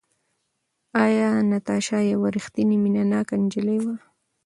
ایا ناتاشا یوه ریښتینې مینه ناکه نجلۍ وه؟